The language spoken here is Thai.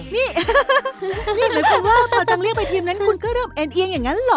นี่นี่หมายความว่าพอจังเรียกไปทีมนั้นคุณก็เริ่มเอ็นเอียงอย่างนั้นเหรอ